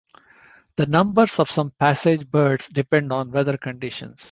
The numbers of some passage birds depend on weather conditions.